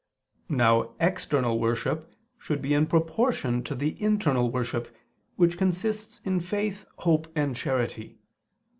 Now external worship should be in proportion to the internal worship, which consists in faith, hope and charity.